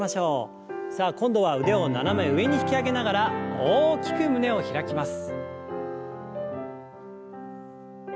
さあ今度は腕を斜め上に引き上げながら大きく胸を開きます。